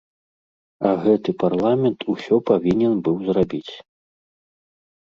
А гэта парламент усё павінен быў зрабіць.